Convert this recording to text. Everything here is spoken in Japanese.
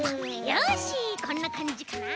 よしこんなかんじかな。